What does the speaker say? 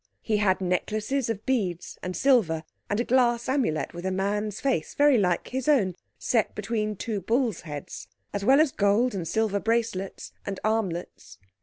He had necklaces of beads and silver, and a glass amulet with a man's face, very like his own, set between two bull's heads, as well as gold and silver bracelets and armlets.